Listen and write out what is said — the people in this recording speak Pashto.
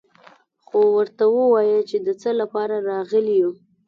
خو ورته ووايه چې د څه له پاره راغلي يو.